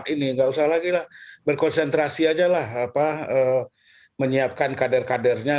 ini enggak usah lagi lah berkonsentrasi ajalah apa menyiapkan kader kadernya